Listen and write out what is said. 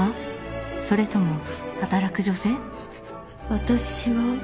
私は。